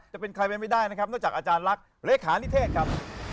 จะเป็นใครไปไม่ได้นะครับนอกจากอาจารย์ลักษณ์เลขานิเทศครับ